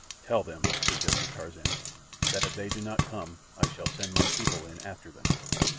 "Tell them," suggested Tarzan, "that if they do not come I shall send my people in after them."